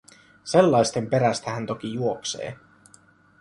Sellaisten perästä hän toki juoksee.